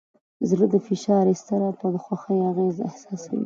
زړه د فشار، اضطراب، او خوښۍ اغېز احساسوي.